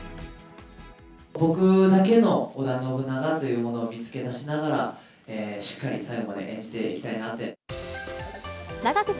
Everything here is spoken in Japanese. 僕だけの織田信長というものを見つけだしながら、しっかり最後まで演じていきたいなって。